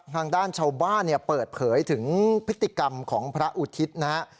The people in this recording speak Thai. ทางด้านชาวบ้านเนี่ยเปิดเผยถึงพฤติกรรมของพระอุทิศนะฮะ